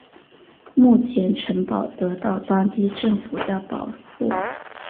目前城堡得到当地政府的保护。